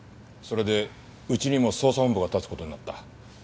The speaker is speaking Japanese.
それでうちにも捜査本部が立つ事になった。